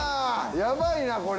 やばいなこれ。